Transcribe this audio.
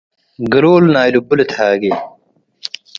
ግሉል ናይ ልቡ ልትነጌ።